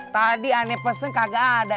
tadi aneh pesen kagak ada